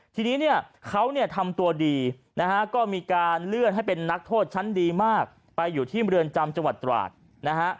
ทีนี้เนี่ยเขาเนี่ยทำตัวดีนะฮะก็มีการเลื่อนให้เป็นนักโทษชั้นดีมากไปอยู่ที่เมืองจำจังหวัดตราดนะฮะ